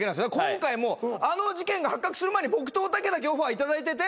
今回もあの事件が発覚する前に僕とおたけだけオファー頂いてて。